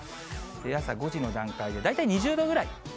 朝５時の段階、大体２０度ぐらい。